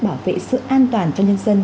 bảo vệ sự an toàn cho nhân dân